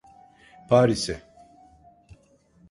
Paris'e…